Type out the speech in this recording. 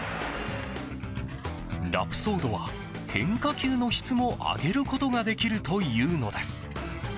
ラプソードは変化球の質も上げることができるというのです。